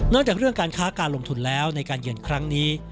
จากเรื่องการค้าการลงทุนแล้วในการเยือนครั้งนี้